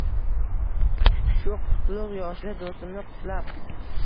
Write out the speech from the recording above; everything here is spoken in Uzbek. Shu qutlug’ yoshida do’stimni qutlab